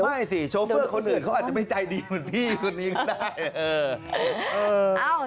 สิโชเฟอร์คนอื่นเขาอาจจะไม่ใจดีเหมือนพี่คนนี้ก็ได้